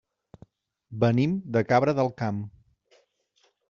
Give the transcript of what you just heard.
Venim de Cabra del Camp.